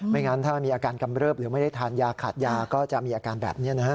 งั้นถ้ามีอาการกำเริบหรือไม่ได้ทานยาขาดยาก็จะมีอาการแบบนี้นะฮะ